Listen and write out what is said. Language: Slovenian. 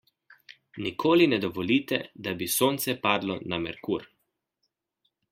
Nikoli ne dovolite, da bi sonce padlo na Merkur.